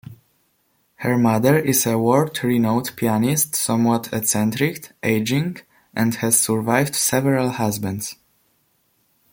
Her mother is a world-renowned pianist, somewhat eccentric, aging, and has survived several husbands.